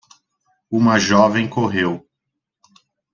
uma jovem correu